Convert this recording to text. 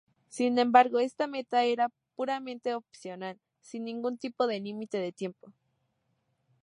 Sin embargo, esta meta era puramente opcional, sin ningún tipo de límite de tiempo.